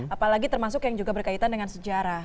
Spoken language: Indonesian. apalagi termasuk yang juga berkaitan dengan sejarah